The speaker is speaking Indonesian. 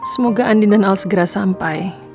semoga andi dan al segera sampai